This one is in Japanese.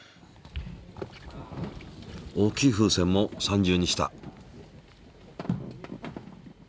大きい風船も３重にした。